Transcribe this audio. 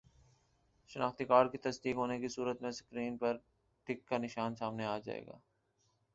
شناختی کارڈ کی تصدیق ہونے کی صورت میں سکرین پر ٹک کا نشان سامنے آ جائے گا